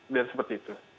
dan seperti itu